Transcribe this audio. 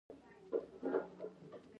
بې پلانه بد دی.